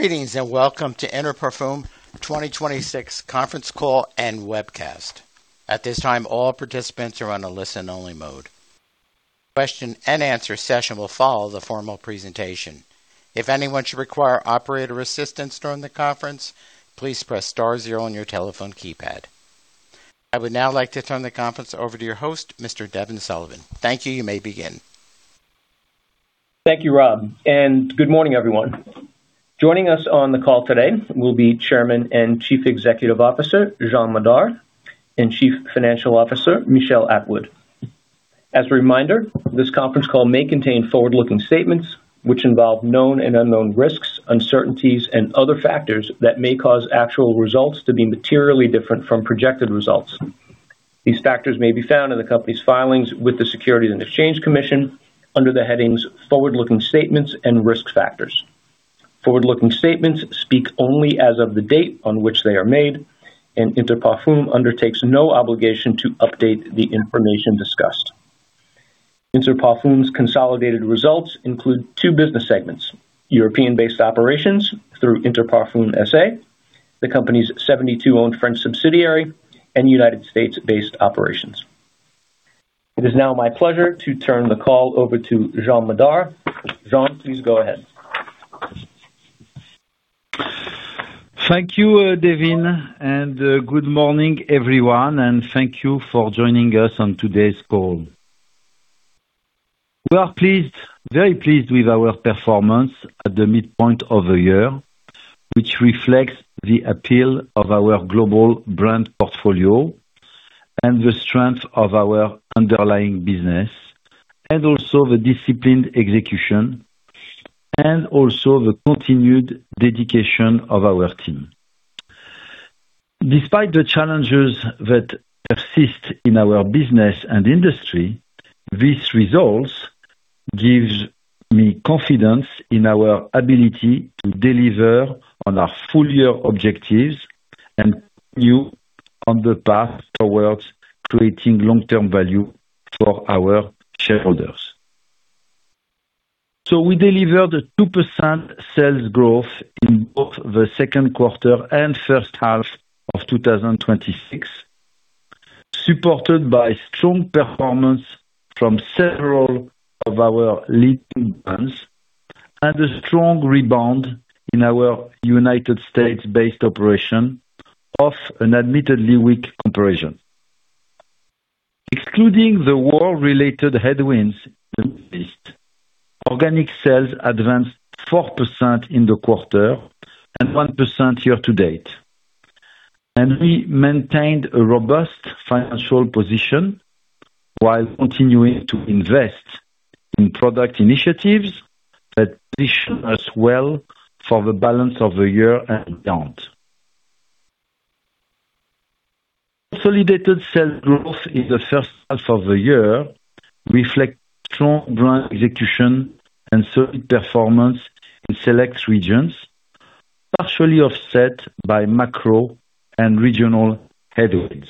Greetings. Welcome to Inter Parfums 2026 conference call and webcast. At this time, all participants are on a listen-only mode. Question and answer session will follow the formal presentation. If anyone should require operator assistance during the conference, please press star zero on your telephone keypad. I would now like to turn the conference over to your host, Mr. Devin Sullivan. Thank you. You may begin. Thank you, Rob. Good morning, everyone. Joining us on the call today will be Chairman and Chief Executive Officer, Jean Madar, and Chief Financial Officer, Michel Atwood. As a reminder, this conference call may contain forward-looking statements which involve known and unknown risks, uncertainties, and other factors that may cause actual results to be materially different from projected results. These factors may be found in the company's filings with the Securities and Exchange Commission under the headings "Forward-looking Statements" and "Risk Factors." Forward-looking statements speak only as of the date on which they are made, and Inter Parfums undertakes no obligation to update the information discussed. Inter Parfums' consolidated results include two business segments, European-based operations through Interparfums SA, the company's 72-owned French subsidiary, and U.S.-based operations. It is now my pleasure to turn the call over to Jean Madar. Jean, please go ahead. Thank you, Devin. Good morning, everyone. Thank you for joining us on today's call. We are very pleased with our performance at the midpoint of the year, which reflects the appeal of our global brand portfolio and the strength of our underlying business, and also the disciplined execution, and also the continued dedication of our team. Despite the challenges that persist in our business and industry, these results gives me confidence in our ability to deliver on our full-year objectives and continue on the path towards creating long-term value for our shareholders. We delivered a 2% sales growth in both the second quarter and first half of 2026, supported by strong performance from several of our leading brands and a strong rebound in our U.S.-based operation off an admittedly weak comparison. Excluding the war-related headwinds in the Middle East, organic sales advanced 4% in the quarter and 1% year to date. We maintained a robust financial position while continuing to invest in product initiatives that position us well for the balance of the year and beyond. Consolidated sales growth in the first half of the year reflect strong brand execution and solid performance in select regions, partially offset by macro and regional headwinds.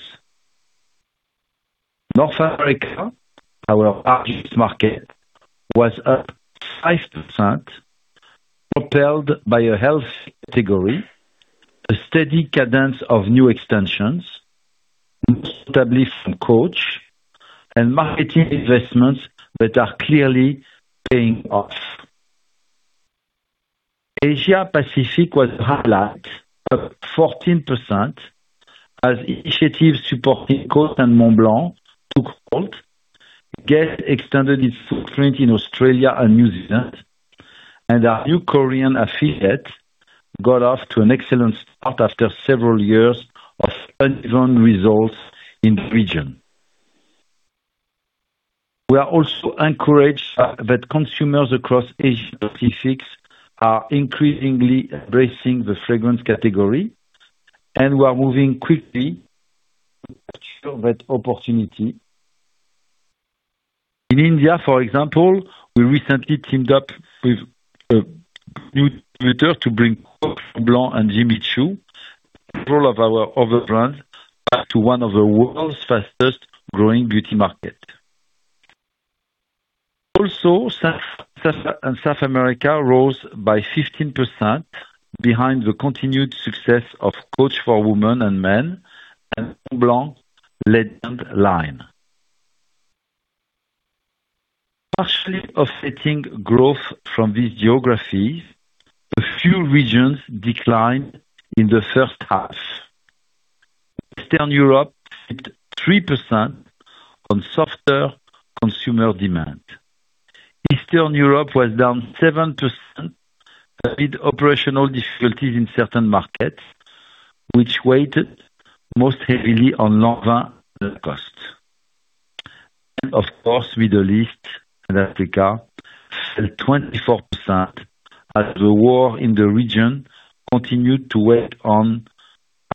North America, our largest market, was up 5%, propelled by a health category, a steady cadence of new extensions, most notably from Coach, and marketing investments that are clearly paying off. Asia Pacific was up 14% as initiatives supporting Coach and Montblanc took hold, GUESS extended its footprint in Australia and New Zealand, and our new Korean affiliate got off to an excellent start after several years of uneven results in the region. We are also encouraged that consumers across Asia Pacific are increasingly embracing the fragrance category, we are moving quickly to capture that opportunity. In India, for example, we recently teamed up with a new distributor to bring Coach, Montblanc, and Jimmy Choo, and several of our other brands to one of the world's fastest-growing beauty market. Central and South America rose by 15% behind the continued success of Coach for Women and Men and Montblanc Legend line. Partially offsetting growth from these geographies, a few regions declined in the first half. Western Europe hit 3% on softer consumer demand. Eastern Europe was down 7% amid operational difficulties in certain markets, which weighted most heavily on Lanvin costs. Of course, Middle East and Africa fell 24% as the war in the region continued to weigh on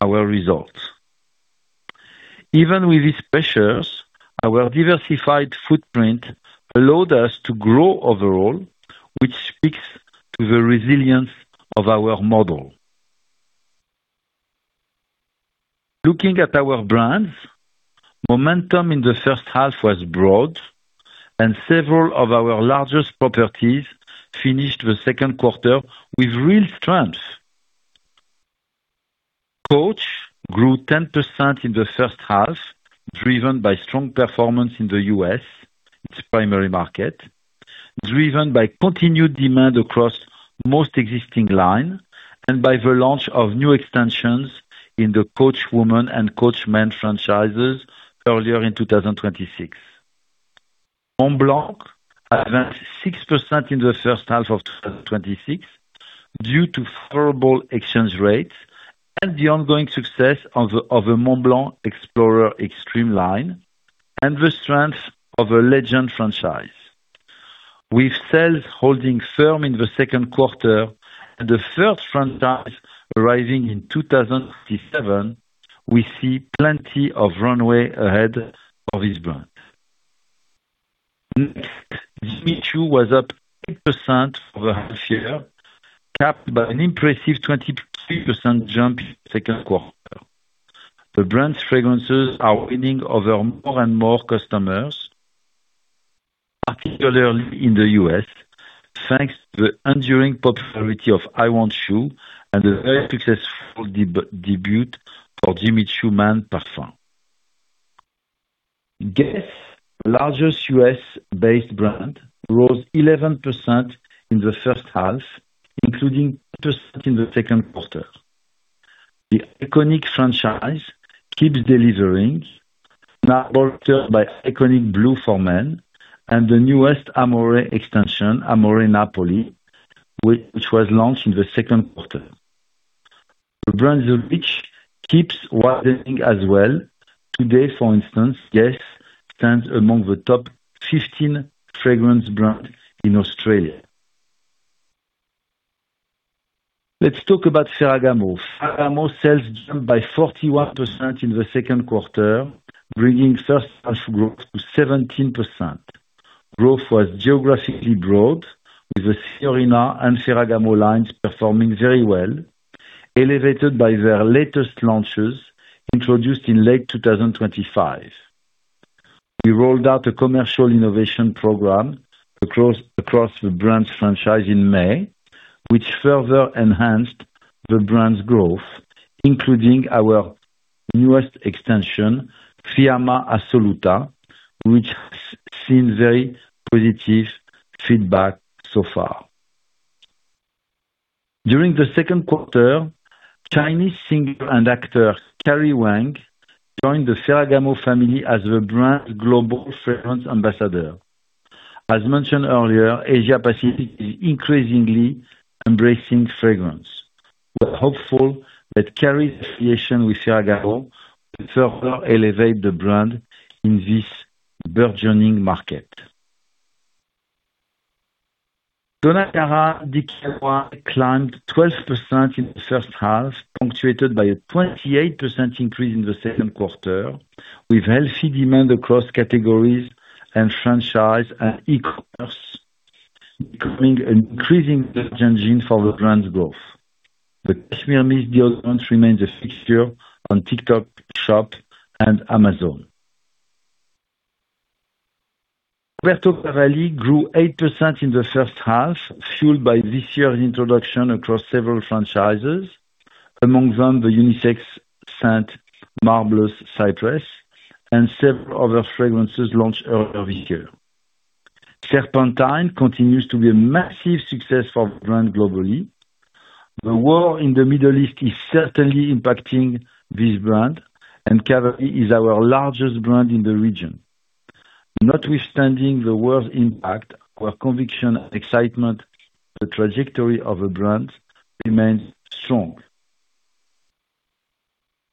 our results. Even with these pressures, our diversified footprint allowed us to grow overall, which speaks to the resilience of our model Looking at our brands, momentum in the first half was broad, and several of our largest properties finished the second quarter with real strength. Coach grew 10% in the first half, driven by strong performance in the U.S., its primary market, driven by continued demand across most existing line, and by the launch of new extensions in the Coach Woman and Coach Man franchises earlier in 2026. Montblanc advanced 6% in the first half of 2026 due to favorable exchange rates and the ongoing success of the Montblanc Explorer Extreme line and the strength of a Legend franchise. With sales holding firm in the second quarter and the first franchise arriving in 2027, we see plenty of runway ahead for this brand. Next, Jimmy Choo was up 8% for the half year, capped by an impressive 23% jump second quarter. The brand's fragrances are winning over more and more customers, particularly in the U.S., thanks to the enduring popularity of I Want Choo and the very successful debut for Jimmy Choo Man Parfum. GUESS, largest U.S.-based brand, rose 11% in the first half, including 10% in the second quarter. The Iconic franchise keeps delivering, now bolstered by Iconic Blue for Men and the newest Amoure extension, Amoure Napoli, which was launched in the second quarter. The brand's reach keeps widening as well. Today, for instance, GUESS stands among the top 15 fragrance brands in Australia. Let's talk about Ferragamo. Ferragamo sales jumped by 41% in the second quarter, bringing first half growth to 17%. Growth was geographically broad, with the Signorina and Ferragamo lines performing very well, elevated by their latest launches introduced in late 2025. We rolled out a commercial innovation program across the brand's franchise in May, which further enhanced the brand's growth, including our newest extension, Fiamma Assoluta, which has seen very positive feedback so far. During the second quarter, Chinese singer and actor Karry Wang joined the Ferragamo family as the brand's global fragrance ambassador. As mentioned earlier, Asia Pacific is increasingly embracing fragrance. We're hopeful that Karry's affiliation with Ferragamo will further elevate the brand in this burgeoning market. Donna Karan/DKNY climbed 12% in the first half, punctuated by a 28% increase in the second quarter, with healthy demand across categories and franchise and e-commerce becoming an increasing engine for the brand's growth. The Cashmere Mist deodorant remains a fixture on TikTok Shop and Amazon. Roberto Cavalli grew 8% in the first half, fueled by this year's introduction across several franchises. Among them, the unisex scent Marbleous Cypress and several other fragrances launched earlier this year. Serpentine continues to be a massive success for the brand globally. The war in the Middle East is certainly impacting this brand, and Cavalli is our largest brand in the region. Notwithstanding the war's impact, our conviction and excitement, the trajectory of the brand remains strong.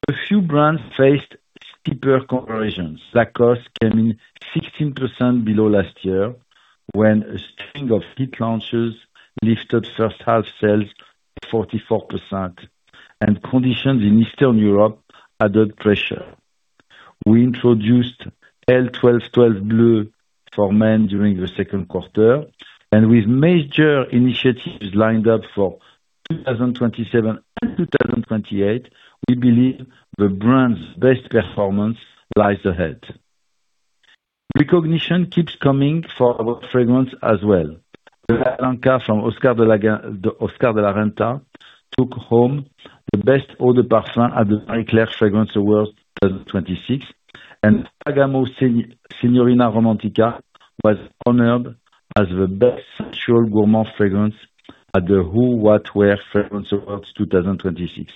A few brands faced steeper comparisons. Lacoste came in 16% below last year, when a string of hit launches lifted first half sales 44%, and conditions in Eastern Europe added pressure. We introduced L.12.12 Bleu for Men during the second quarter. With major initiatives lined up for 2027 and 2028, we believe the brand's best performance lies ahead. Recognition keeps coming for our fragrance as well. Bella Blanca from Oscar de la Renta took home the best eau de parfum at the Marie Claire Fragrance Awards 2026. Ferragamo Signorina was honored as the best sensual gourmand fragrance at the Who What Wear Fragrance Awards 2026.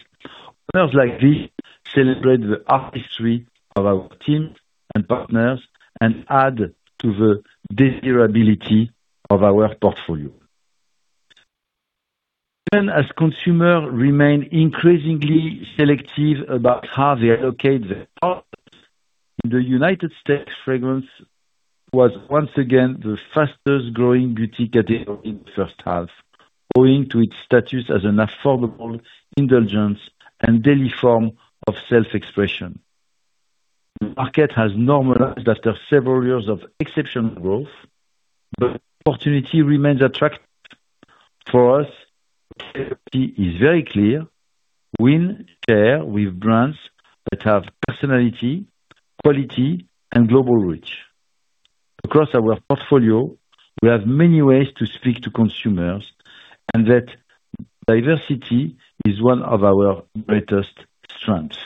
Awards like this celebrate the artistry of our teams and partners and add to the desirability of our portfolio. Even as consumers remain increasingly selective about how they allocate their products, in the U.S., fragrance was once again the fastest-growing beauty category in the first half, owing to its status as an affordable indulgence and daily form of self-expression. The market has normalized after several years of exceptional growth. Opportunity remains attractive for us. Our strategy is very clear: win share with brands that have personality, quality, and global reach. Across our portfolio, we have many ways to speak to consumers. That diversity is one of our greatest strengths.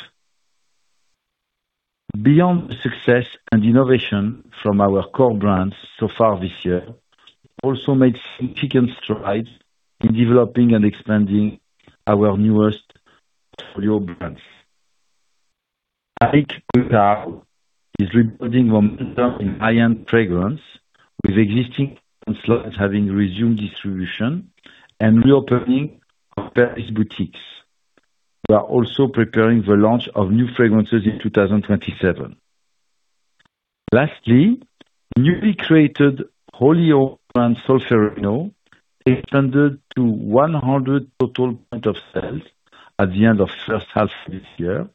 Beyond the success and innovation from our core brands so far this year, we've also made significant strides in developing and expanding our newest portfolio brands. Rick Owens is rebuilding momentum in high-end fragrance, with existing accounts having resumed distribution and reopening of Paris boutiques. We are also preparing the launch of new fragrances in 2027. Lastly, newly created high-end brand Solférino expanded to 100 total point of sales at the end of the first half of this year.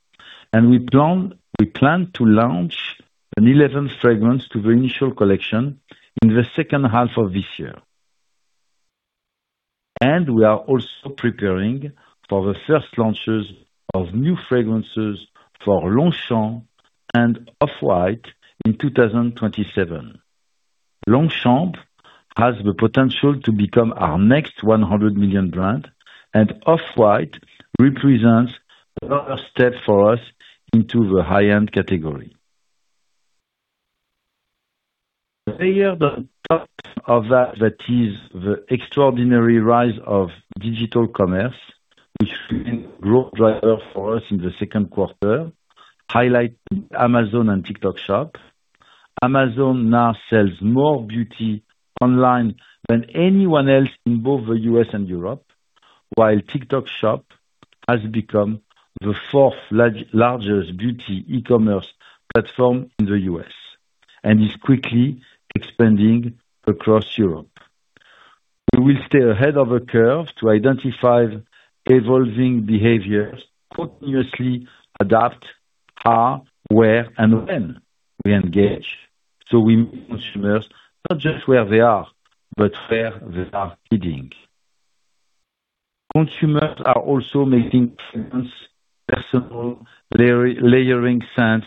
We plan to launch an 11th fragrance to the initial collection in the second half of this year. We are also preparing for the first launches of new fragrances for Longchamp and Off-White in 2027. Longchamp has the potential to become our next $100 million brand. Off-White represents another step for us into the high-end category. Layered on top of that is the extraordinary rise of digital commerce, which remained a growth driver for us in the second quarter, highlighting Amazon and TikTok Shop. Amazon now sells more beauty online than anyone else in both the U.S. and Europe, while TikTok Shop has become the fourth largest beauty e-commerce platform in the U.S. and is quickly expanding across Europe. We will stay ahead of the curve to identify evolving behaviors, continuously adapt how, where, and when we engage. We meet consumers not just where they are, but where they are heading. Consumers are also making fragrance personal, layering scents,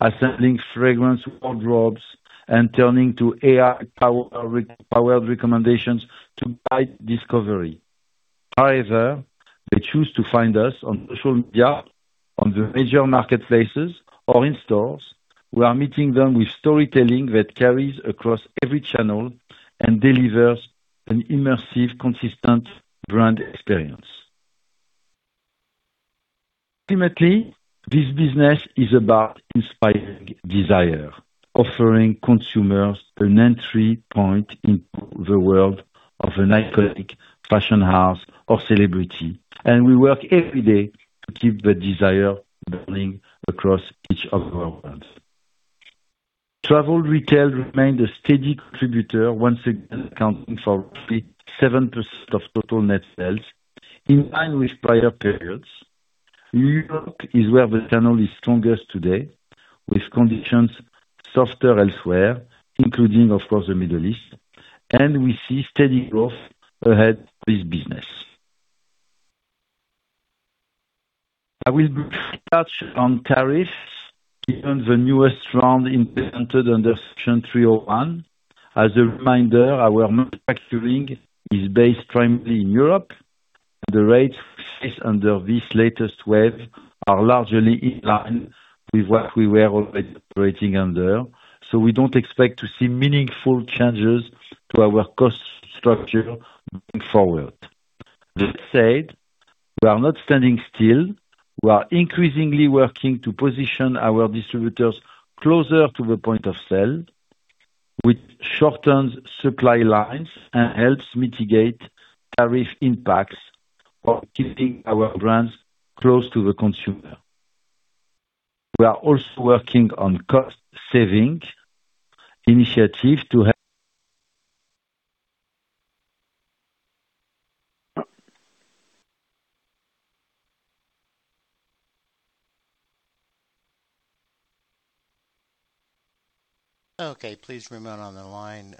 assembling fragrance wardrobes, and turning to AI-powered recommendations to guide discovery. However, they choose to find us on social media, on the major marketplaces, or in stores, we are meeting them with storytelling that carries across every channel and delivers an immersive, consistent brand experience. Ultimately, this business is about inspiring desire, offering consumers an entry point into the world of an iconic fashion house or celebrity, and we work every day to keep the desire burning across each of our brands. Travel retail remained a steady contributor, once again accounting for 7% of total net sales, in line with prior periods. Europe is where the channel is strongest today, with conditions softer elsewhere, including, of course, the Middle East, and we see steady growth ahead for this business. I will briefly touch on tariffs, given the newest round implemented under Section 301. As a reminder, our manufacturing is based primarily in Europe, and the rates we face under this latest wave are largely in line with what we were already operating under, so we don't expect to see meaningful changes to our cost structure moving forward. That said, we are not standing still. We are increasingly working to position our distributors closer to the point of sale, which shortens supply lines and helps mitigate tariff impacts while keeping our brands close to the consumer. We are also working on cost-saving initiatives to help- Okay, please remain on the line.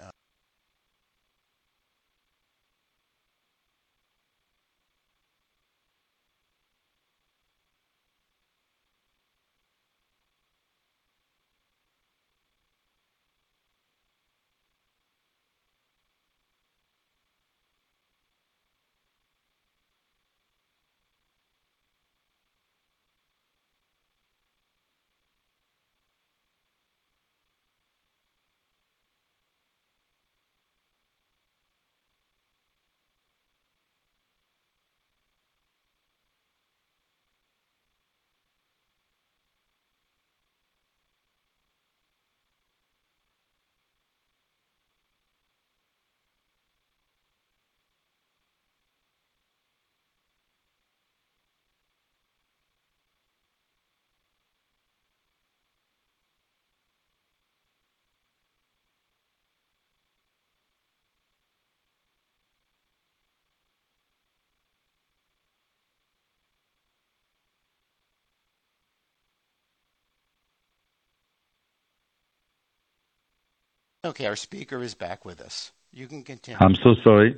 Okay, our speaker is back with us. You can continue. I'm so sorry.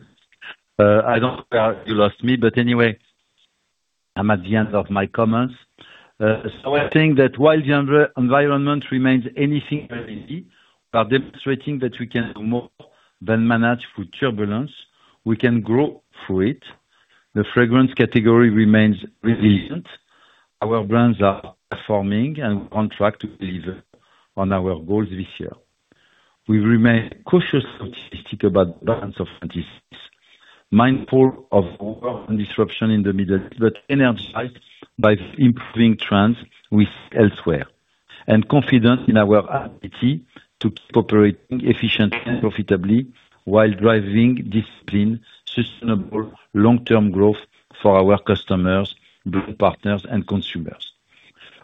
I don't know where you lost me, but anyway, I'm at the end of my comments. I think that while the environment remains anything but easy, we are demonstrating that we can do more than manage through turbulence. We can grow through it. The fragrance category remains resilient. Our brands are performing, and we are on track to deliver on our goals this year. We remain cautiously optimistic about the balance of 2026, mindful of the war and disruption in the Middle East, but energized by the improving trends we see elsewhere and confident in our ability to keep operating efficiently and profitably while driving disciplined, sustainable long-term growth for our customers, global partners, and consumers.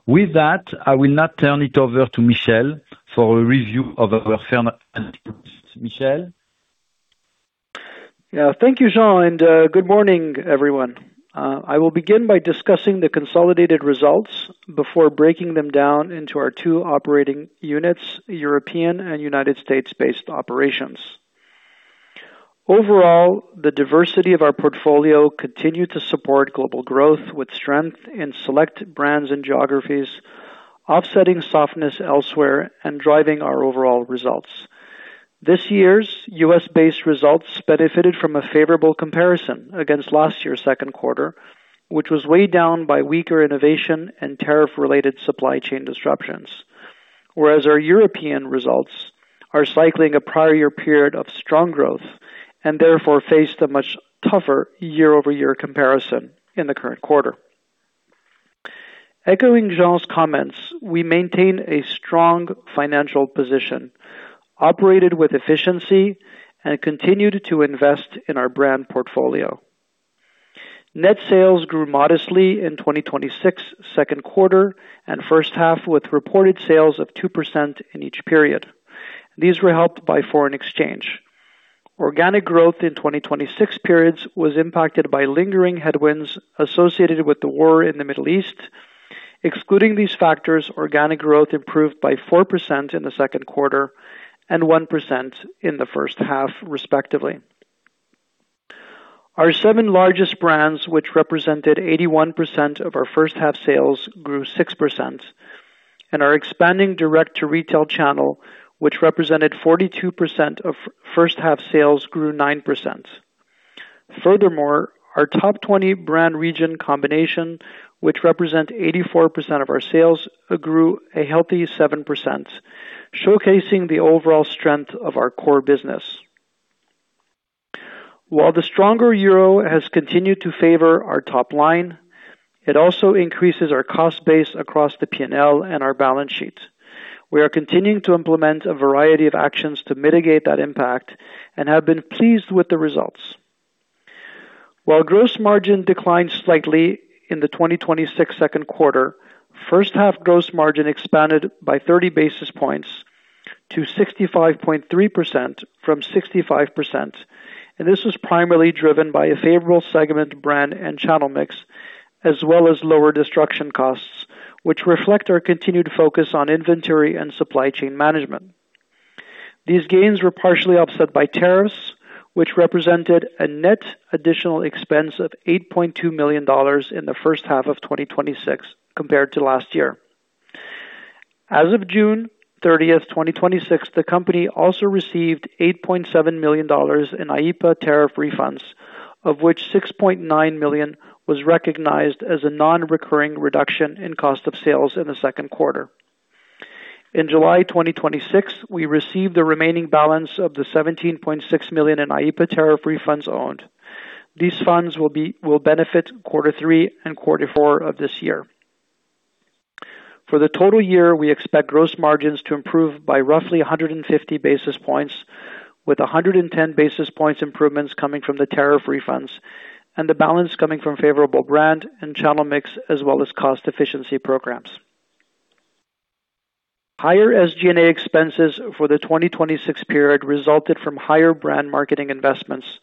With that, I will now turn it over to Michel for a review of our financial results. Michel? Thank you, Jean, and good morning, everyone. I will begin by discussing the consolidated results before breaking them down into our two operating units, European and United States-based operations. Overall, the diversity of our portfolio continued to support global growth with strength in select brands and geographies, offsetting softness elsewhere and driving our overall results. This year's U.S.-based results benefited from a favorable comparison against last year's second quarter, which was weighed down by weaker innovation and tariff-related supply chain disruptions. Our European results are cycling a prior period of strong growth, and therefore faced a much tougher year-over-year comparison in the current quarter. Echoing Jean's comments, we maintained a strong financial position, operated with efficiency, and continued to invest in our brand portfolio. Net sales grew modestly in 2026's second quarter and first half, with reported sales of 2% in each period. These were helped by foreign exchange. Organic growth in 2026 periods was impacted by lingering headwinds associated with the war in the Middle East. Excluding these factors, organic growth improved by 4% in the second quarter and 1% in the first half, respectively. Our seven largest brands, which represented 81% of our first-half sales, grew 6%. Our expanding direct-to-retail channel, which represented 42% of first-half sales, grew 9%. Our top 20 brand region combination, which represent 84% of our sales, grew a healthy 7%, showcasing the overall strength of our core business. While the stronger euro has continued to favor our top line, it also increases our cost base across the P&L and our balance sheet. We are continuing to implement a variety of actions to mitigate that impact and have been pleased with the results. While gross margin declined slightly in the 2026 second quarter, first-half gross margin expanded by 30 basis points to 65.3% from 65%, primarily driven by a favorable segment brand and channel mix, as well as lower destruction costs, which reflect our continued focus on inventory and supply chain management. These gains were partially offset by tariffs, which represented a net additional expense of $8.2 million in the first half of 2026 compared to last year. As of June 30th, 2026, the company also received $8.7 million in IEEPA tariff refunds, of which $6.9 million was recognized as a non-recurring reduction in cost of sales in the second quarter. In July 2026, we received the remaining balance of the $17.6 million in IEEPA tariff refunds owed. These funds will benefit quarter three and quarter four of this year. For the total year, we expect gross margins to improve by roughly 150 basis points, with 110 basis points improvements coming from the tariff refunds and the balance coming from favorable brand and channel mix, as well as cost efficiency programs. Higher SG&A expenses for the 2026 period resulted from higher brand marketing investments,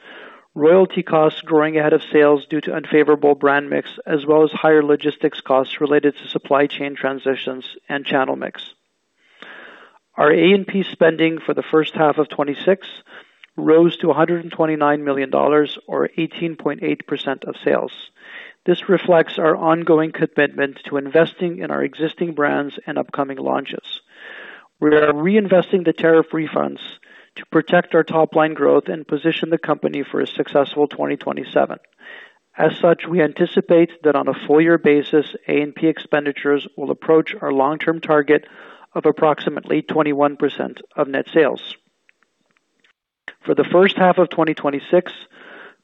royalty costs growing ahead of sales due to unfavorable brand mix, as well as higher logistics costs related to supply chain transitions and channel mix. Our A&P spending for the first half of 2026 rose to $129 million or 18.8% of sales. This reflects our ongoing commitment to investing in our existing brands and upcoming launches. We are reinvesting the tariff refunds to protect our top-line growth and position the company for a successful 2027. As such, we anticipate that on a full-year basis, A&P expenditures will approach our long-term target of approximately 21% of net sales. For the first half of 2026,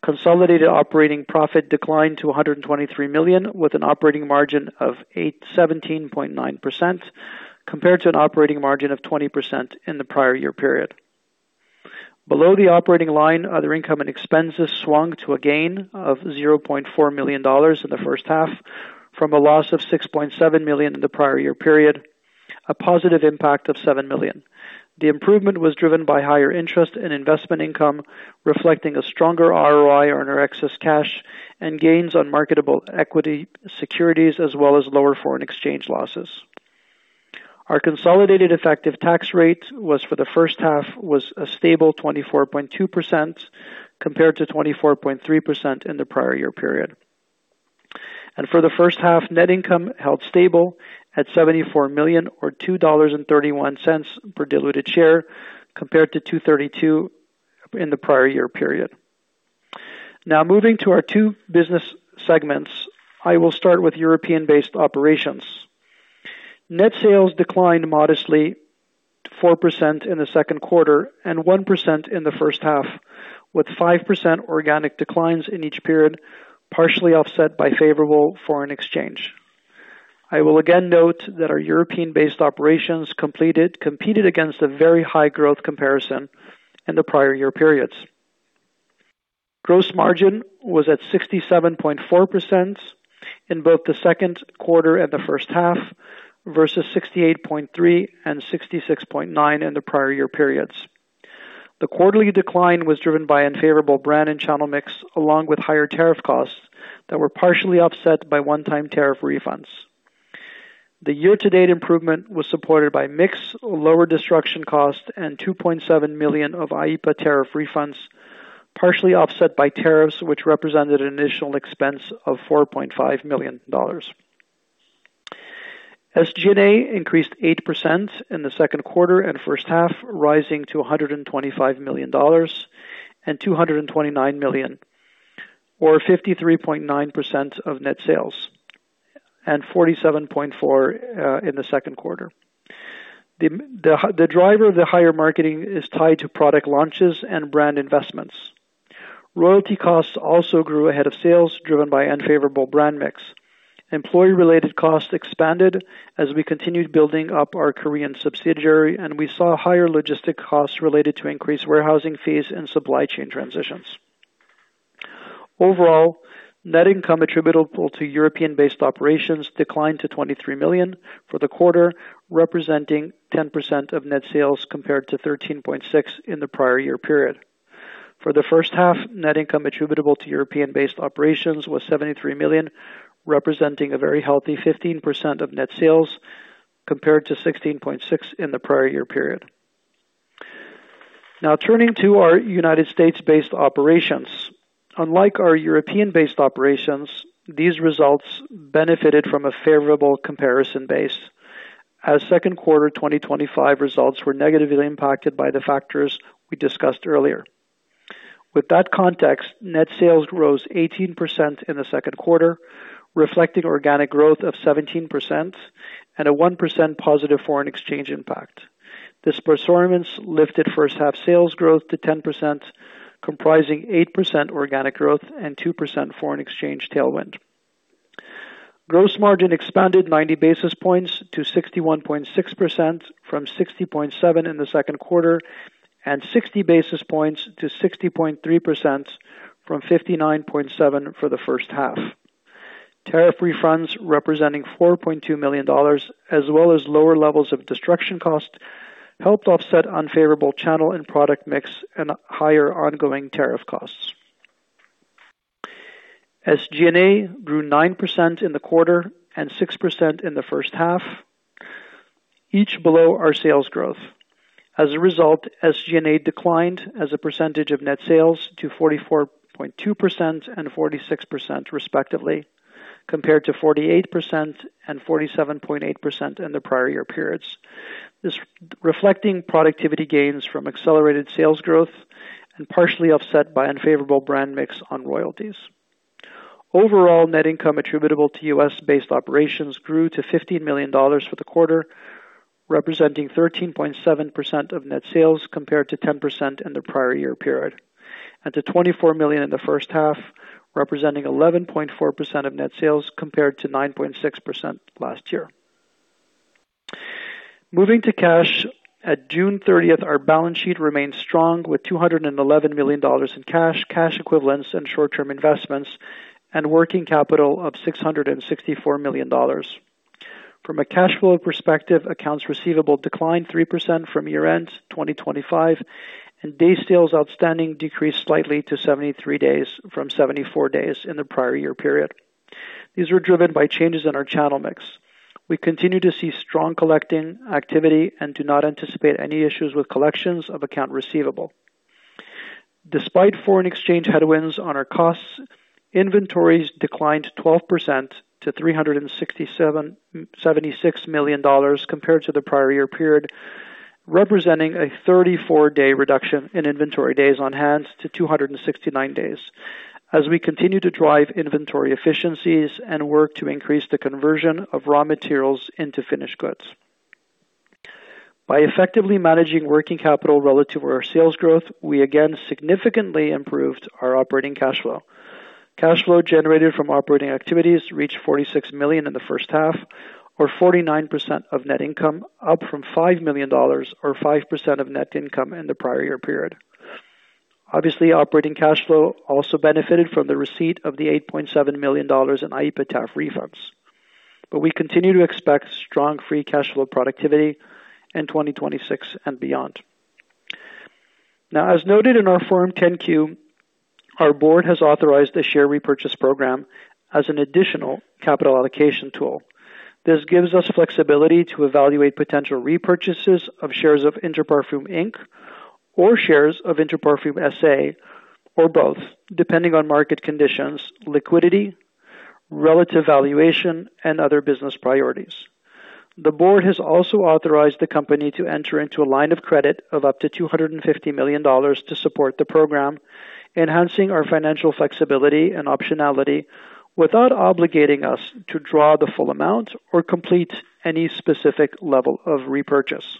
consolidated operating profit declined to $123 million with an operating margin of 17.9%, compared to an operating margin of 20% in the prior year period. Below the operating line, other income and expenses swung to a gain of $0.4 million in the first half. From a loss of $6.7 million in the prior year period, a positive impact of $7 million. The improvement was driven by higher interest and investment income, reflecting a stronger ROI on our excess cash and gains on marketable equity securities, as well as lower foreign exchange losses. Our consolidated effective tax rate for the first half was a stable 24.2% compared to 24.3% in the prior year period. For the first half, net income held stable at $74 million, or $2.31 per diluted share compared to $2.32 in the prior year period. Now moving to our two business segments. I will start with European-based operations. Net sales declined modestly 4% in the second quarter and 1% in the first half, with 5% organic declines in each period, partially offset by favorable foreign exchange. I will again note that our European-based operations competed against a very high growth comparison in the prior year periods. Gross margin was at 67.4% in both the second quarter and the first half versus 68.3% and 66.9% in the prior year periods. The quarterly decline was driven by unfavorable brand and channel mix, along with higher tariff costs that were partially offset by one-time tariff refunds. The year-to-date improvement was supported by mix, lower destruction cost, and $2.7 million of IEEPA tariff refunds, partially offset by tariffs which represented an initial expense of $4.5 million. SG&A increased 8% in the second quarter and first half, rising to $125 million and $229 million, or 53.9% of net sales and 47.4% in the second quarter. The driver of the higher marketing is tied to product launches and brand investments. Royalty costs also grew ahead of sales, driven by unfavorable brand mix. Employee-related costs expanded as we continued building up our Korean subsidiary, and we saw higher logistic costs related to increased warehousing fees and supply chain transitions. Overall, net income attributable to European-based operations declined to $23 million for the quarter, representing 10% of net sales, compared to 13.6% in the prior year period. For the first half, net income attributable to European-based operations was $73 million, representing a very healthy 15% of net sales, compared to 16.6% in the prior year period. Now turning to our U.S.-based operations. Unlike our European-based operations, these results benefited from a favorable comparison base as second quarter 2025 results were negatively impacted by the factors we discussed earlier. With that context, net sales rose 18% in the second quarter, reflecting organic growth of 17% and a 1% positive foreign exchange impact. This performance lifted first half sales growth to 10%, comprising 8% organic growth and 2% foreign exchange tailwind. Gross margin expanded 90 basis points to 61.6% from 60.7% in the second quarter and 60 basis points to 60.3% from 59.7% for the first half. Tariff refunds representing $4.2 million as well as lower levels of destruction cost helped offset unfavorable channel and product mix and higher ongoing tariff costs. SG&A grew 9% in the quarter and 6% in the first half, each below our sales growth. SG&A declined as a percentage of net sales to 44.2% and 46%, respectively, compared to 48% and 47.8% in the prior year periods. This reflecting productivity gains from accelerated sales growth and partially offset by unfavorable brand mix on royalties. Net income attributable to U.S.-based operations grew to $15 million for the quarter, representing 13.7% of net sales, compared to 10% in the prior year period. To $24 million in the first half, representing 11.4% of net sales, compared to 9.6% last year. Our balance sheet remains strong with $211 million in cash equivalents, and short-term investments and working capital of $664 million. Accounts receivable declined 3% from year-end 2025, and day sales outstanding decreased slightly to 73 days from 74 days in the prior year period. These were driven by changes in our channel mix. We continue to see strong collecting activity and do not anticipate any issues with collections of account receivable. Inventories declined 12% to $367.76 million compared to the prior year period, representing a 34-day reduction in inventory days on hand to 269 days. As we continue to drive inventory efficiencies and work to increase the conversion of raw materials into finished goods. We again significantly improved our operating cash flow. Cash flow generated from operating activities reached $46 million in the first half or 49% of net income, up from $5 million, or 5% of net income in the prior year period. Operating cash flow also benefited from the receipt of the $8.7 million in IEEPA tariff refunds. We continue to expect strong free cash flow productivity in 2026 and beyond. As noted in our Form 10-Q, our board has authorized a share repurchase program as an additional capital allocation tool. This gives us flexibility to evaluate potential repurchases of shares of Inter Parfums, Inc., or shares of Interparfums SA, or both, depending on market conditions, liquidity, relative valuation, and other business priorities. The board has also authorized the company to enter into a line of credit of up to $250 million to support the program, enhancing our financial flexibility and optionality without obligating us to draw the full amount or complete any specific level of repurchase.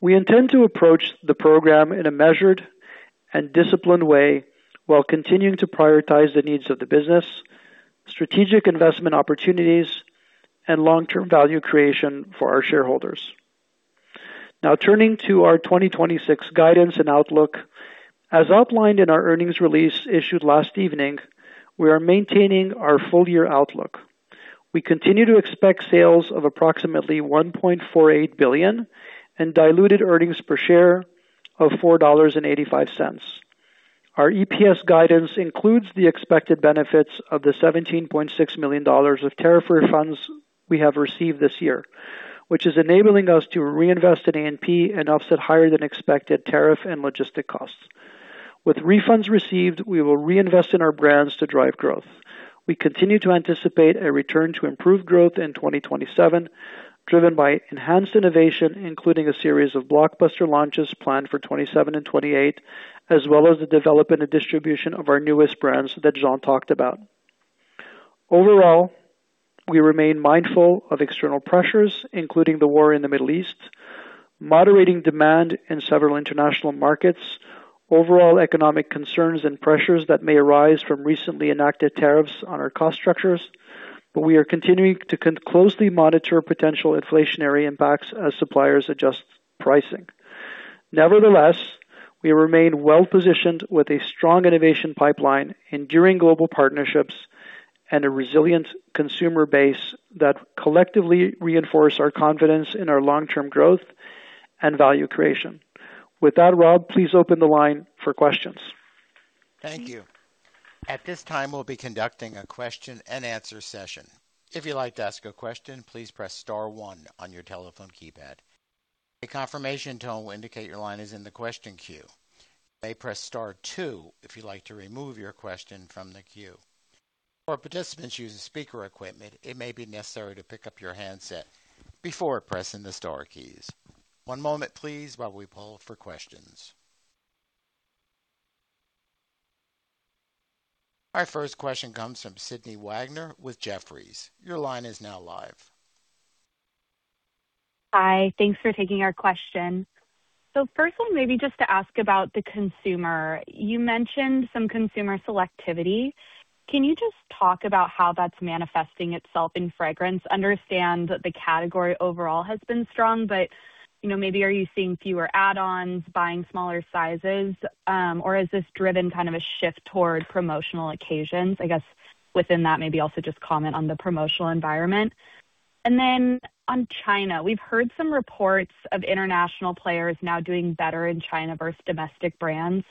We intend to approach the program in a measured and disciplined way while continuing to prioritize the needs of the business, strategic investment opportunities, and long-term value creation for our shareholders. Turning to our 2026 guidance and outlook. As outlined in our earnings release issued last evening, we are maintaining our full-year outlook. We continue to expect sales of approximately $1.48 billion and diluted earnings per share of $4.85. Our EPS guidance includes the expected benefits of the $17.6 million of tariff refunds we have received this year, which is enabling us to reinvest in A&P and offset higher than expected tariff and logistic costs. With refunds received, we will reinvest in our brands to drive growth. We continue to anticipate a return to improved growth in 2027, driven by enhanced innovation, including a series of blockbuster launches planned for 2027 and 2028, as well as the development and distribution of our newest brands that Jean talked about. Overall, we remain mindful of external pressures, including the war in the Middle East, moderating demand in several international markets, overall economic concerns and pressures that may arise from recently enacted tariffs on our cost structures. We are continuing to closely monitor potential inflationary impacts as suppliers adjust pricing. Nevertheless, we remain well-positioned with a strong innovation pipeline, enduring global partnerships, and a resilient consumer base that collectively reinforce our confidence in our long-term growth and value creation. With that, Rob, please open the line for questions. Thank you. At this time, we'll be conducting a question and answer session. If you'd like to ask a question, please press star one on your telephone keypad. A confirmation tone will indicate your line is in the question queue. You may press star two if you'd like to remove your question from the queue. For participants using speaker equipment, it may be necessary to pick up your handset before pressing the star keys. One moment please while we poll for questions. Our first question comes from Sydney Wagner with Jefferies. Your line is now live. Hi. Thanks for taking our question. First one, maybe just to ask about the consumer. You mentioned some consumer selectivity. Can you just talk about how that's manifesting itself in fragrance? Understand that the category overall has been strong, but maybe are you seeing fewer add-ons, buying smaller sizes? Or has this driven kind of a shift toward promotional occasions? I guess within that, maybe also just comment on the promotional environment. On China. We've heard some reports of international players now doing better in China versus domestic brands.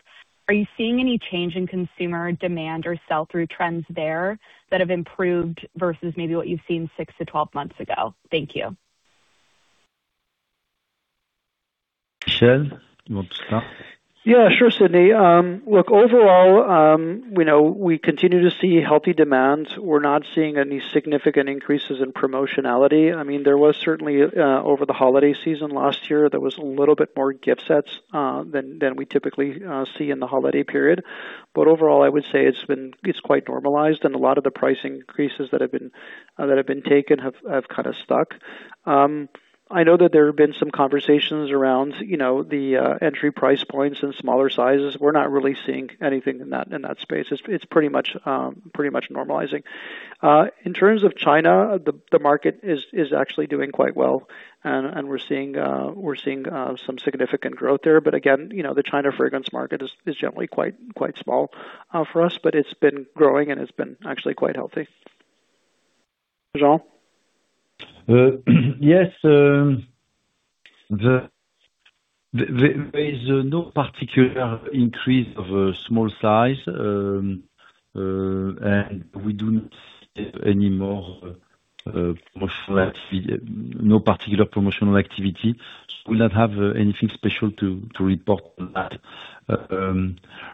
Are you seeing any change in consumer demand or sell-through trends there that have improved versus maybe what you've seen 6-12 months ago? Thank you. Michel, you want to start? Sure, Sydney. Overall, we continue to see healthy demand. We are not seeing any significant increases in promotionality. There was certainly, over the holiday season last year, there was a little bit more gift sets than we typically see in the holiday period. Overall, I would say it is quite normalized, and a lot of the pricing increases that have been taken have kind of stuck. I know that there have been some conversations around the entry price points and smaller sizes. We are not really seeing anything in that space. It is pretty much normalizing. In terms of China, the market is actually doing quite well, and we are seeing some significant growth there. Again, the China fragrance market is generally quite small for us. It has been growing, and it has been actually quite healthy. Jean? Yes. There is no particular increase of a small size. We do not see any more, no particular promotional activity. We do not have anything special to report on that.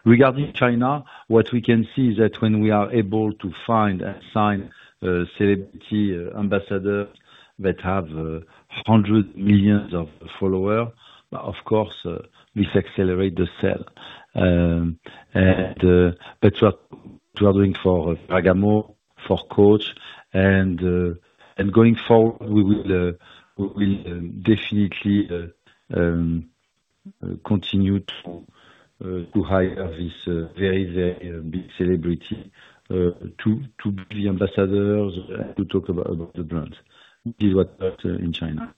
Regarding China, what we can see is that when we are able to find and sign a celebrity ambassador that have 100 million of follower, of course, this accelerate the sale. That is what we are doing for Ferragamo, for Coach. Going forward, we will definitely continue to hire this very big celebrity to be ambassadors and to talk about the brand. This is what is up in China.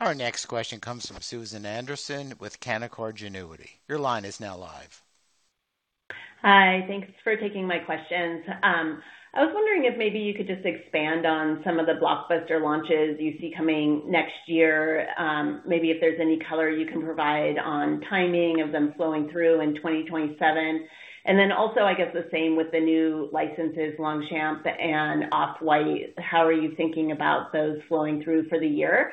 Our next question comes from Susan Anderson with Canaccord Genuity. Your line is now live. Hi. Thanks for taking my questions. I was wondering if maybe you could just expand on some of the blockbuster launches you see coming next year, maybe if there is any color you can provide on timing of them flowing through in 2027. Also, I guess the same with the new licenses, Longchamp and Off-White. How are you thinking about those flowing through for the year?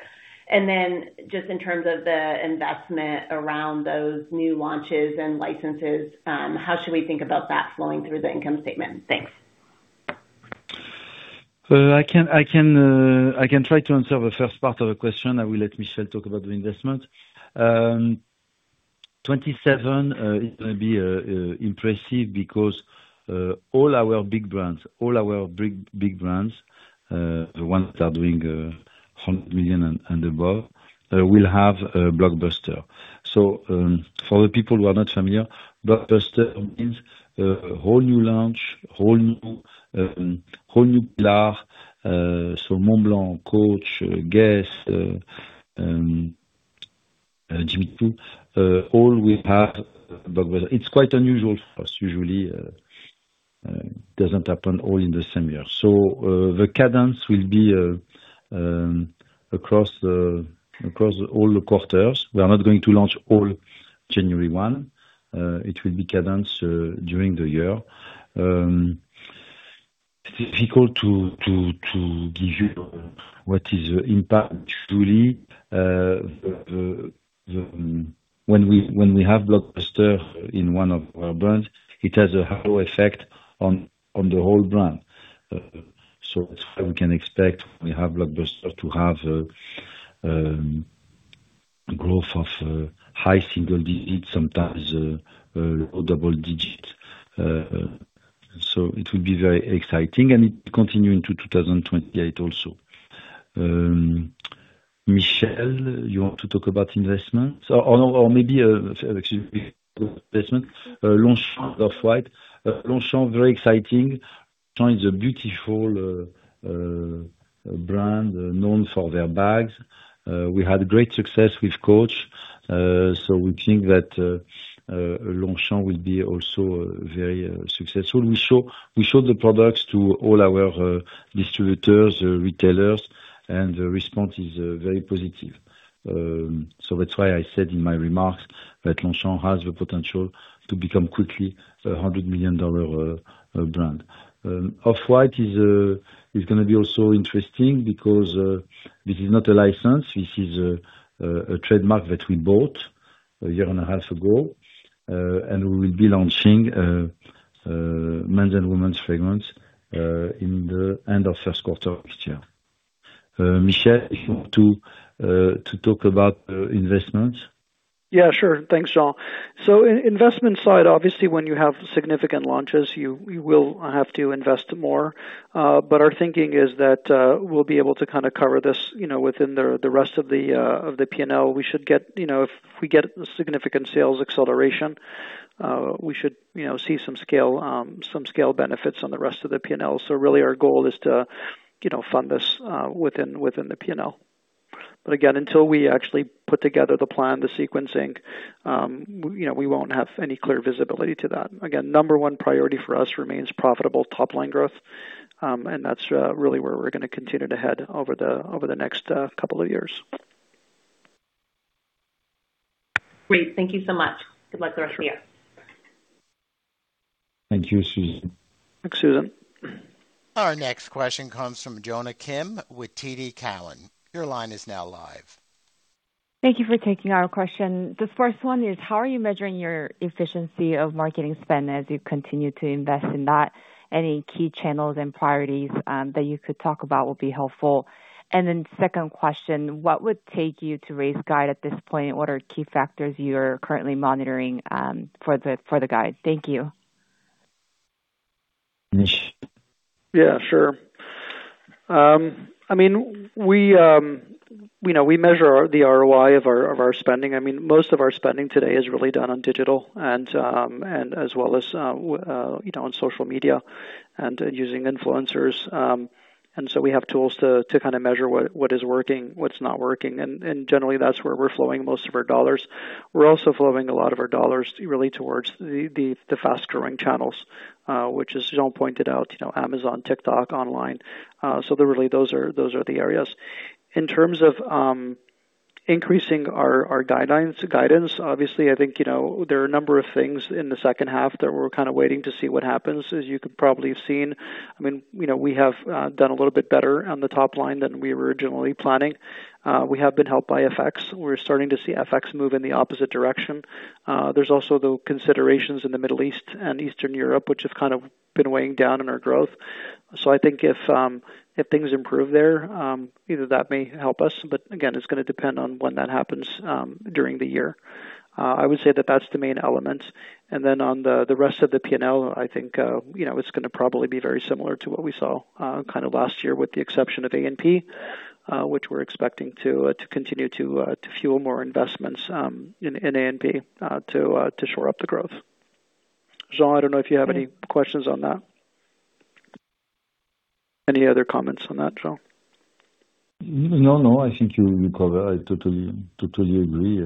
Just in terms of the investment around those new launches and licenses, how should we think about that flowing through the income statement? Thanks. I can try to answer the first part of the question. I will let Michel talk about the investment. 2027 is going to be impressive because all our big brands, the ones that are doing $100 million and above, will have a blockbuster. For the people who are not familiar, blockbuster means a whole new launch, whole new pillar. Montblanc, Coach, GUESS, Jimmy Choo, all will have blockbuster. It's quite unusual for us. Usually, it doesn't happen all in the same year. The cadence will be across all the quarters. We are not going to launch all January 1. It will be cadenced during the year. It's difficult to give you what is the impact truly. When we have blockbuster in one of our brands, it has a halo effect on the whole brand. That's why we can expect when we have blockbuster to have a growth of high single digits, sometimes low double digits. It will be very exciting and it continue into 2028 also. Michel, you want to talk about investments? Or maybe, excuse me, investment, Longchamp, Off-White. Longchamp, very exciting. Longchamp is a beautiful brand known for their bags. We had great success with Coach, so we think that Longchamp will be also very successful. We showed the products to all our distributors, retailers, and the response is very positive. That's why I said in my remarks that Longchamp has the potential to become quickly a $100 million brand. Off-White is going to be also interesting because this is not a license, this is a trademark that we bought a year and a half ago, and we will be launching men's and women's fragrance in the end of first quarter of next year. Michel, if you want to talk about investments. Sure. Thanks, Jean. In investment side, obviously, when you have significant launches, you will have to invest more. Our thinking is that we'll be able to kind of cover this within the rest of the P&L. If we get significant sales acceleration, we should see some scale benefits on the rest of the P&L. Really our goal is to fund this within the P&L. Again, until we actually put together the plan, the sequencing, we won't have any clear visibility to that. Again, number 1 priority for us remains profitable top-line growth, and that's really where we're going to continue to head over the next couple of years. Great. Thank you so much. Good luck the rest of the year. Thank you, Susan. Thanks, Susan. Our next question comes from Jonna Kim with TD Cowen. Your line is now live. Thank you for taking our question. The first one is, how are you measuring your efficiency of marketing spend as you continue to invest in that? Any key channels and priorities that you could talk about will be helpful. Second question, what would take you to raise guide at this point? What are key factors you are currently monitoring for the guide? Thank you. Michel. Yeah, sure. We measure the ROI of our spending. Most of our spending today is really done on digital and as well as on social media and using influencers. We have tools to kind of measure what is working, what's not working. Generally, that's where we're flowing most of our dollars. We're also flowing a lot of our dollars really towards the fast-growing channels, which as Jean pointed out, Amazon, TikTok, online. Really those are the areas. In terms of increasing our guidance, obviously, I think, there are a number of things in the second half that we're kind of waiting to see what happens, as you could probably have seen. We have done a little bit better on the top line than we were originally planning. We have been helped by FX. We're starting to see FX move in the opposite direction. There's also the considerations in the Middle East and Eastern Europe, which have kind of been weighing down on our growth. I think if things improve there, that may help us. Again, it's going to depend on when that happens during the year. I would say that that's the main element. On the rest of the P&L, I think, it's going to probably be very similar to what we saw kind of last year, with the exception of A&P. Which we're expecting to continue to fuel more investments in A&P to shore up the growth. Jean, I don't know if you have any questions on that. Any other comments on that, Jean? No, I think you covered it. I totally agree.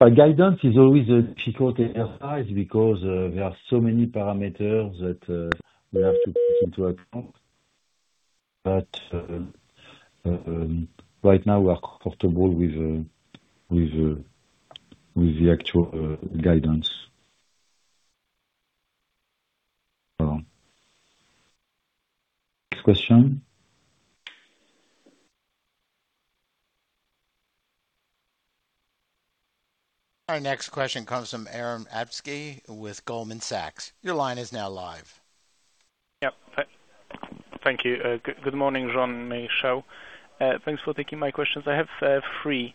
Guidance is always a difficult exercise because there are so many parameters that we have to take into account. Right now we are comfortable with the actual guidance. Next question. Our next question comes from Aron Adamski with Goldman Sachs. Your line is now live. Yep. Thank you. Good morning, Jean, Michel. Thanks for taking my questions. I have three.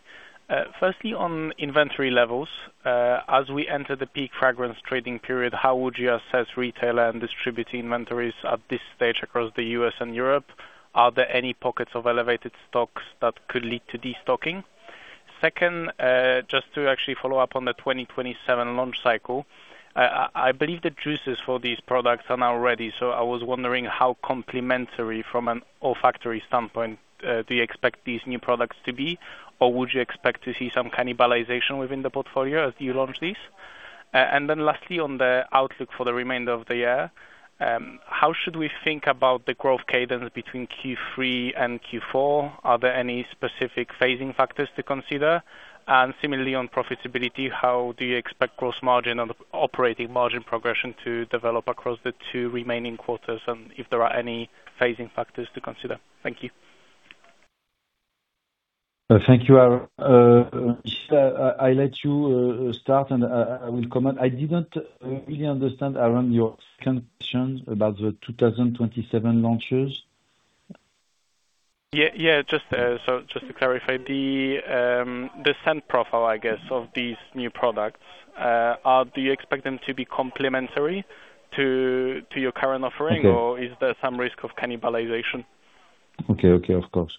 Firstly, on inventory levels. As we enter the peak fragrance trading period, how would you assess retailer and distributor inventories at this stage across the U.S. and Europe? Are there any pockets of elevated stocks that could lead to destocking? Second, just to actually follow up on the 2027 launch cycle. I believe the juices for these products are now ready, so I was wondering how complementary, from an olfactory standpoint, do you expect these new products to be? Or would you expect to see some cannibalization within the portfolio as you launch these? Lastly, on the outlook for the remainder of the year, how should we think about the growth cadence between Q3 and Q4? Are there any specific phasing factors to consider? Similarly, on profitability, how do you expect gross margin and operating margin progression to develop across the two remaining quarters? And if there are any phasing factors to consider. Thank you. Thank you, Aron. Michel, I let you start, and I will comment. I didn't really understand, Aron, your second question about the 2027 launches. Yeah. Just to clarify, the scent profile, I guess, of these new products. Do you expect them to be complementary to your current offering? Okay. Is there some risk of cannibalization? Okay. Of course.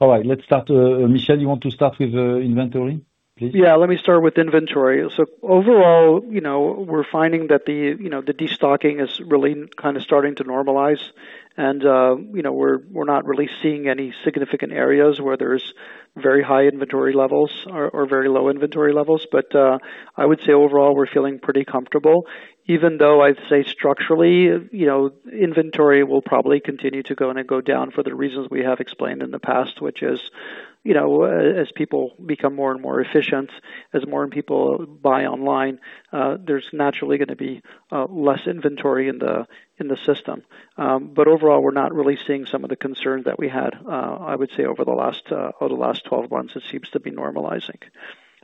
All right. Let's start. Michel, you want to start with inventory, please? Yeah, let me start with inventory. Overall, we're finding that the destocking is really kind of starting to normalize. We're not really seeing any significant areas where there's very high inventory levels or very low inventory levels. I would say overall, we're feeling pretty comfortable, even though I'd say structurally, inventory will probably continue to go down for the reasons we have explained in the past, which is, as people become more and more efficient, as more and people buy online, there's naturally going to be less inventory in the system. Overall, we're not really seeing some of the concerns that we had, I would say, over the last 12 months, it seems to be normalizing.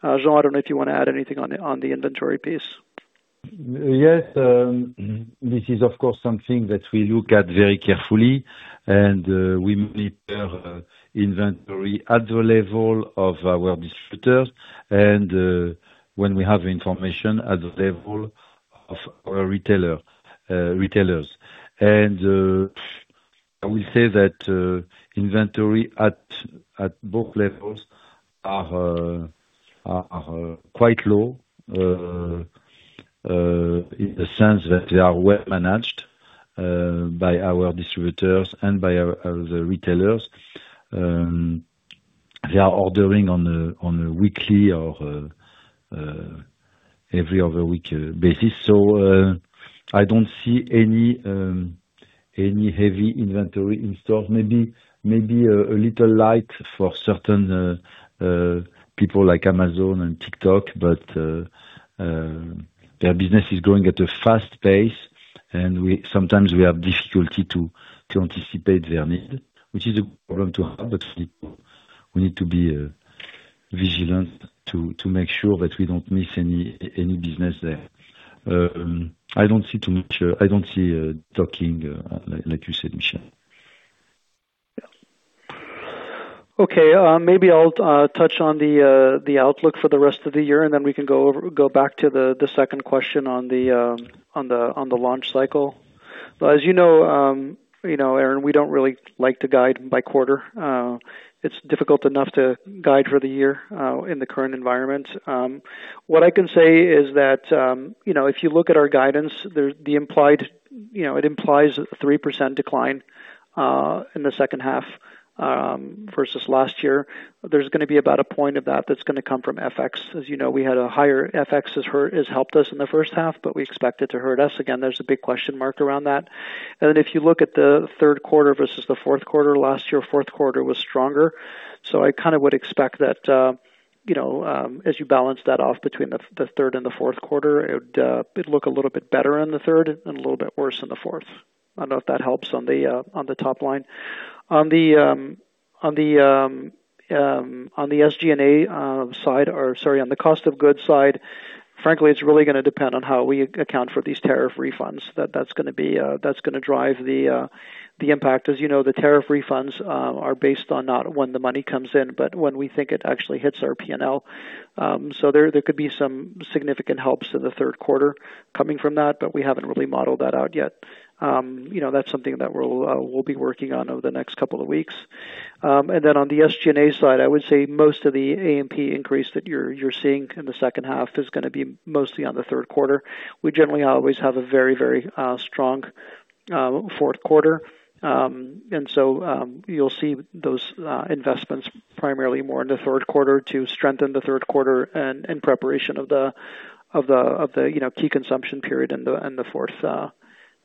Jean, I don't know if you want to add anything on the inventory piece. Yes. This is, of course, something that we look at very carefully, and we prepare inventory at the level of our distributors and, when we have information, at the level of our retailers. I will say that inventory at both levels are quite low, in the sense that they are well managed by our distributors and by the retailers. They are ordering on a weekly or every other week basis. I don't see any heavy inventory in stores. Maybe a little light for certain people like Amazon and TikTok, but their business is growing at a fast pace, and sometimes we have difficulty to anticipate their need. Which is a problem to have, obviously. We need to be vigilant to make sure that we don't miss any business there. I don't see destocking, like you said, Michel. Okay. Maybe I'll touch on the outlook for the rest of the year, then we can go back to the second question on the launch cycle. As you know, Aron, we don't really like to guide by quarter. It's difficult enough to guide for the year in the current environment. What I can say is that, if you look at our guidance, it implies a 3% decline in the second half versus last year. There's going to be about a point of that that's going to come from FX. As you know, we had a higher FX has helped us in the first half, but we expect it to hurt us. Again, there's a big question mark around that. If you look at the third quarter versus the fourth quarter, last year, fourth quarter was stronger. I kind of would expect that, as you balance that off between the third and the fourth quarter, it would look a little bit better in the third and a little bit worse in the fourth. I don't know if that helps on the top line. On the SG&A side, or sorry, on the cost of goods side, frankly, it's really going to depend on how we account for these tariff refunds. That's going to drive the impact. As you know, the tariff refunds are based on not when the money comes in, but when we think it actually hits our P&L. There could be some significant helps in the third quarter coming from that, but we haven't really modeled that out yet. That's something that we'll be working on over the next couple of weeks. On the SG&A side, I would say most of the A&P increase that you're seeing in the second half is going to be mostly on the third quarter. We generally always have a very strong fourth quarter. You'll see those investments primarily more in the third quarter to strengthen the third quarter and in preparation of the key consumption period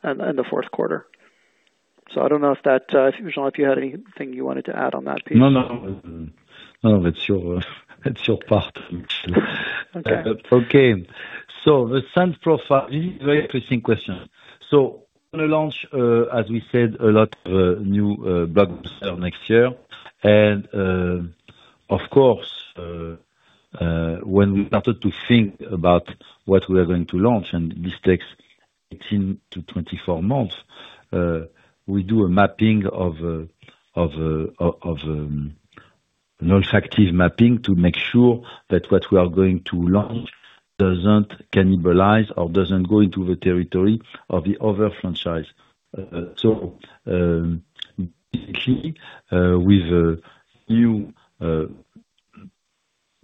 and the fourth quarter. I don't know, Jean, if you had anything you wanted to add on that piece. No. It's your part. Okay. The scent profile, very interesting question. On the launch, as we said, a lot of new blockbuster next year. Of course, when we started to think about what we are going to launch, and this takes 18 to 24 months, we do a mapping of an olfactive mapping to make sure that what we are going to launch doesn't cannibalize or doesn't go into the territory of the other franchise. Basically, with a new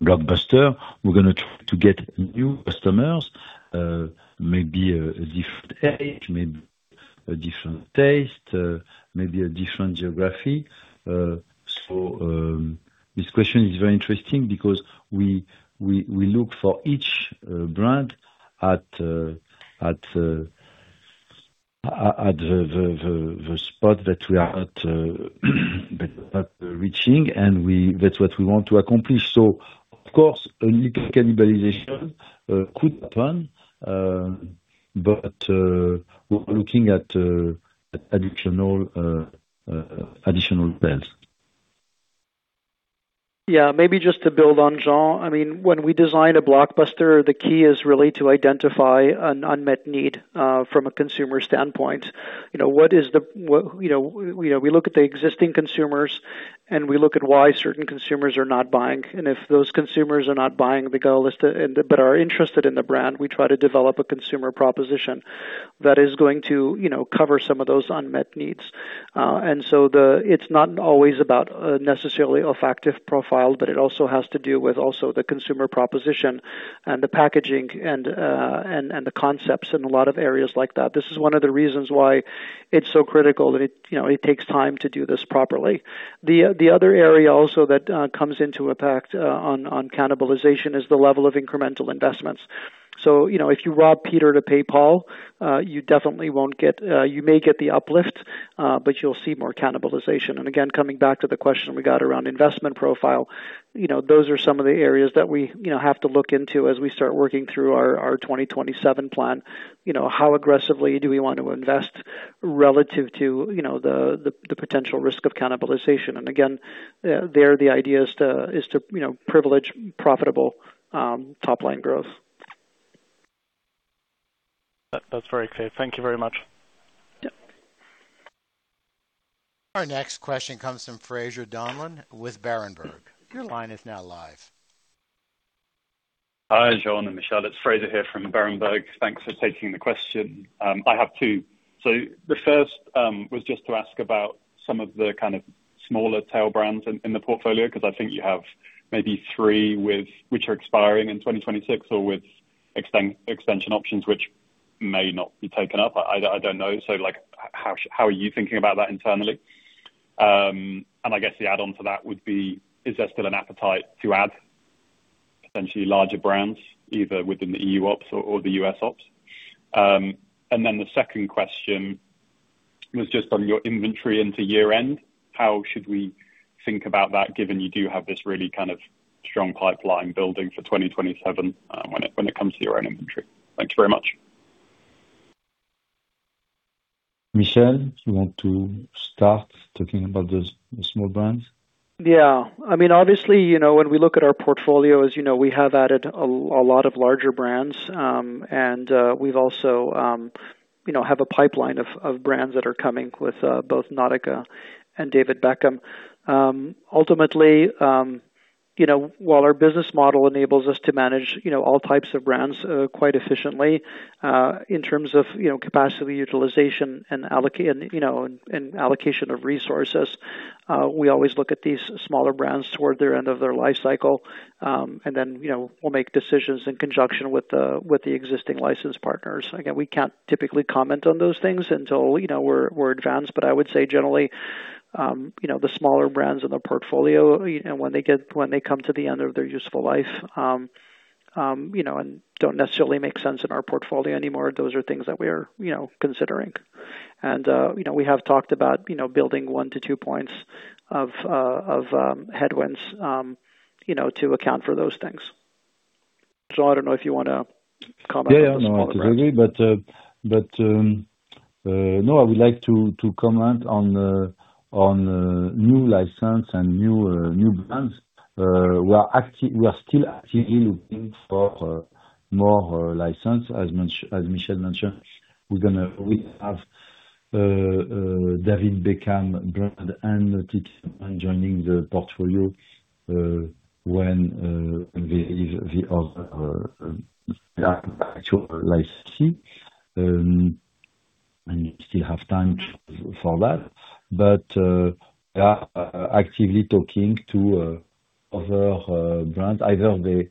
blockbuster, we're going to try to get new customers, maybe a different age, maybe a different taste, maybe a different geography. This question is very interesting because we look for each brand at the spot that we are not reaching, and that's what we want to accomplish. Of course, a little cannibalization could happen, but we're looking at additional plans. Yeah, maybe just to build on Jean, when we design a blockbuster, the key is really to identify an unmet need from a consumer standpoint. We look at the existing consumers, and we look at why certain consumers are not buying. If those consumers are not buying the goal list but are interested in the brand, we try to develop a consumer proposition that is going to cover some of those unmet needs. It's not always about necessarily olfactive profile, but it also has to do with also the consumer proposition and the packaging and the concepts in a lot of areas like that. This is one of the reasons why it's so critical, and it takes time to do this properly. The other area also that comes into impact on cannibalization is the level of incremental investments. If you rob Peter to pay Paul, you may get the uplift, but you'll see more cannibalization. Again, coming back to the question we got around investment profile, those are some of the areas that we have to look into as we start working through our 2027 plan. How aggressively do we want to invest relative to the potential risk of cannibalization? Again, there the idea is to privilege profitable top-line growth. That's very clear. Thank you very much. Yep. Our next question comes from Fraser Donlon with Berenberg. Your line is now live. Hi, Jean and Michel. It's Fraser here from Berenberg. Thanks for taking the question. I have two. The first was just to ask about some of the kind of smaller tail brands in the portfolio, because I think you have maybe three which are expiring in 2026 or with extension options, which may not be taken up. I don't know. How are you thinking about that internally? I guess the add-on to that would be, is there still an appetite to add potentially larger brands, either within the EU ops or the US ops? The second question was just on your inventory into year-end. How should we think about that, given you do have this really strong pipeline building for 2027 when it comes to your own inventory? Thanks very much. Michel, you want to start talking about the small brands? Obviously, when we look at our portfolio, as you know, we have added a lot of larger brands, and we also have a pipeline of brands that are coming with both Nautica and David Beckham. Ultimately, while our business model enables us to manage all types of brands quite efficiently, in terms of capacity utilization and allocation of resources, we always look at these smaller brands toward their end of their life cycle, and then we'll make decisions in conjunction with the existing license partners. Again, we can't typically comment on those things until we're advanced. I would say generally, the smaller brands in the portfolio, when they come to the end of their useful life, and don't necessarily make sense in our portfolio anymore, those are things that we are considering. We have talked about building 1 to 2 points of headwinds to account for those things. Jean, I don't know if you want to comment on the smaller brands. That's okay. No, I would like to comment on new license and new brands. We are still actively looking for more license. As Michel mentioned, we have David Beckham brand and Nautica joining the portfolio when there is the other actual licensee. We still have time for that. We are actively talking to other brands, either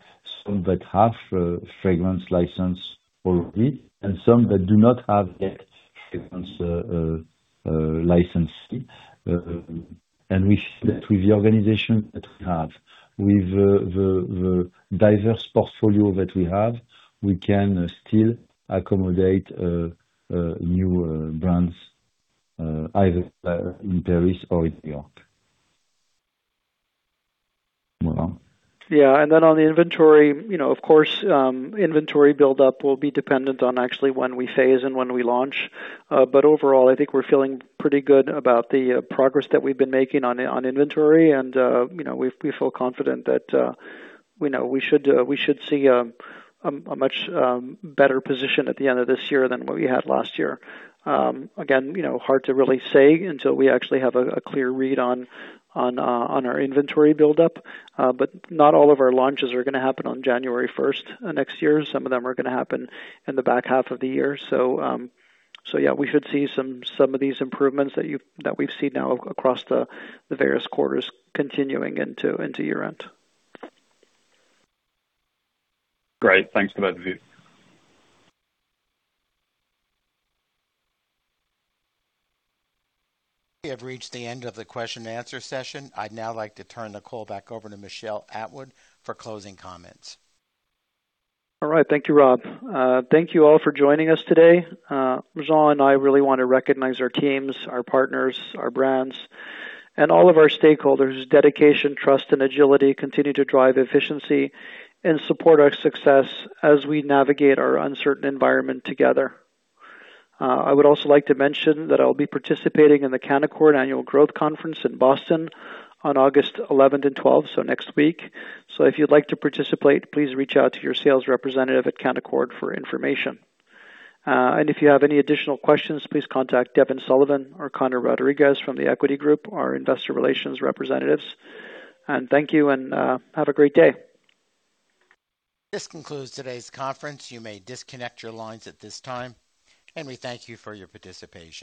some that have a fragrance license already and some that do not have yet fragrance licensing. With the organization that we have, with the diverse portfolio that we have, we can still accommodate new brands, either in Paris or in New York. Michel? On the inventory, of course, inventory buildup will be dependent on actually when we phase and when we launch. Overall, I think we're feeling pretty good about the progress that we've been making on inventory and we feel confident that we should see a much better position at the end of this year than what we had last year. Again, hard to really say until we actually have a clear read on our inventory buildup. Not all of our launches are going to happen on January 1st next year. Some of them are going to happen in the back half of the year. We should see some of these improvements that we've seen now across the various quarters continuing into year-end. Great. Thanks for that view. We have reached the end of the question and answer session. I'd now like to turn the call back over to Michel Atwood for closing comments. All right. Thank you, Rob. Thank you all for joining us today. Jean and I really want to recognize our teams, our partners, our brands, and all of our stakeholders. Dedication, trust, and agility continue to drive efficiency and support our success as we navigate our uncertain environment together. I would also like to mention that I'll be participating in the Canaccord Genuity Annual Growth Conference in Boston on August 11th and 12th, next week. If you'd like to participate, please reach out to your sales representative at Canaccord Genuity for information. If you have any additional questions, please contact Devin Sullivan or Conor Rodriguez from The Equity Group, our investor relations representatives. Thank you, and have a great day. This concludes today's conference. You may disconnect your lines at this time, we thank you for your participation.